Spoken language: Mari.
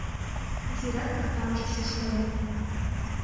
— изирак капанже чушлен.